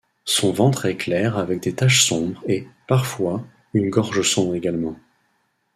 Son ventre est clair avec des taches sombres et, parfois, une gorge sombre également.